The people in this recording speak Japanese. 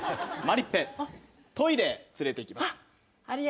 マリッペトイレへ連れていきます。